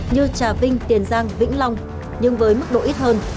như trà vinh tiền giang vĩnh long nhưng với mức độ ít hơn